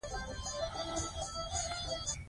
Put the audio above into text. ساینسپوهان وايي چې دا څېړنه قوي ثبوت وړاندې کوي.